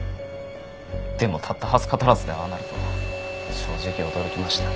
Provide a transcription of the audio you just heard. でもたった２０日足らずでああなるとは正直驚きました。